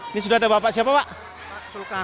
ini sudah ada bapak siapa pak zulkarna